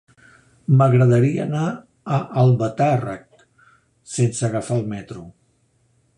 M'agradaria anar a Albatàrrec sense agafar el metro.